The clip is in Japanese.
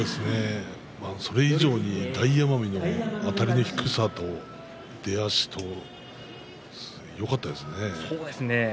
それ以上に大奄美のあたりの低さと出足とよかったですね。